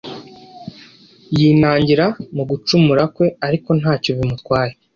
yinangira, mu gucumura kwe ariko ntacyo bimutwaye